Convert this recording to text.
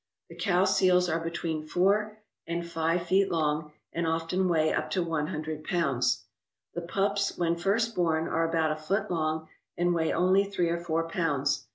The cow seals are between four and five feet 232 FUR SEALS AND FOX FARMS * long and often weigh up to one hundred pounds. The pups when first born are about a foot long and weigh only three or four pounds.